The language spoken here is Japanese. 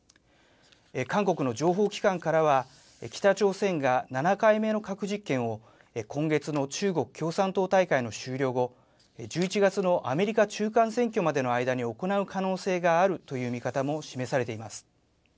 韓国の情報機関からは北朝鮮が７回目の核実験を、今月の中国の共産党大会の終了後、１１月のアメリカ中間選挙までの間に行う可能性があるという見方も示されています。